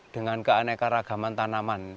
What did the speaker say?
dengan keanekaragaman tanaman